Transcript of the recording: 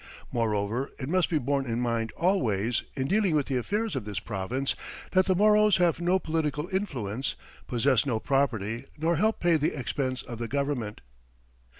Moreover, it must be borne in mind always, in dealing with the affairs of this province, that the Moros have no political influence, possess no property, nor help pay the expense of the government."